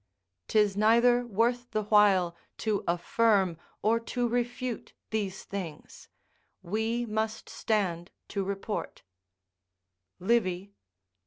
["'Tis neither worth the while to affirm or to refute these things; we must stand to report" Livy, i.